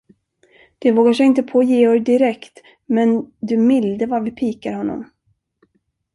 De vågar sig inte på Georg direkt, men, du milde, vad vi pikar honom!